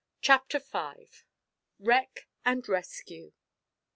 CHAPTER FIVE. WRECK AND RESCUE.